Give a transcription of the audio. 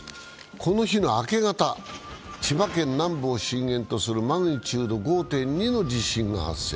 この日の明け方、千葉県南部を震源とするマグニチュード５．２の地震が発生。